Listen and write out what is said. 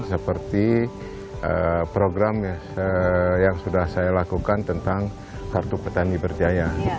seperti program yang sudah saya lakukan tentang kartu petani berjaya